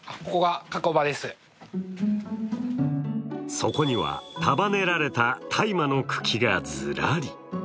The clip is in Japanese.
そこには束ねられた大麻の茎がずらり。